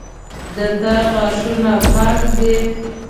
د تا غاښونه پاک دي